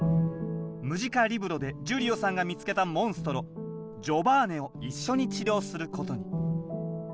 ムジカリブロでジュリオさんが見つけたモンストロジョバーネを一緒に治療することに。